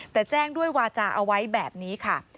แต่แจ้งด้วยวาจาเอาไว้แบบนี้ค่ะ